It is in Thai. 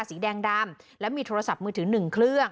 สีแดงดำและมีโทรศัพท์มือถือ๑เครื่อง